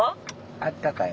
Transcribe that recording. あったかい？